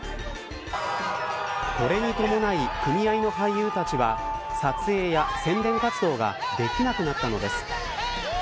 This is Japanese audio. これに伴い組合の俳優たちは撮影や宣伝活動ができなくなったのです。